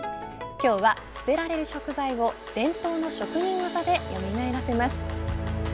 今日は捨てられる食材を伝統の職人技でよみがえらせます。